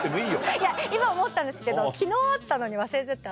いや今思ったんですけど昨日会ったのに忘れてたんです。